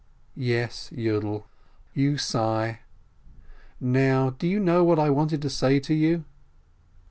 "Yes, Yiidel, you sigh! Now do you know what I wanted to say to you?"